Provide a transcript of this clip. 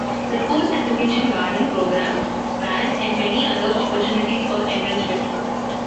The school has a kitchen garden program, band and many other opportunities for enrichment.